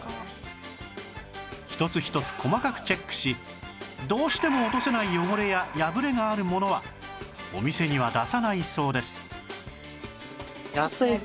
一つ一つ細かくチェックしどうしても落とせない汚れや破れがあるものはお店には出さないそうです